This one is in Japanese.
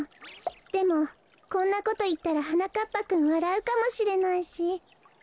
でもこんなこといったらはなかっぱくんわらうかもしれないし。